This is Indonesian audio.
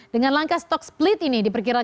dengan langkah stock split ini diperkirakan